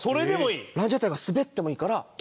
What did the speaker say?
ランジャタイがスベってもいいから。